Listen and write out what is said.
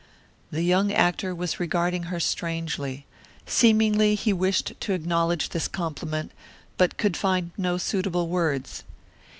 The young actor was regarding her strangely; seemingly he wished to acknowledge this compliment but could find no suitable words.